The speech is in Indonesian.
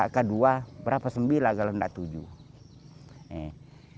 kedua berapa sembilan kalau tidak tujuh